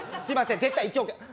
すいません絶対１億円。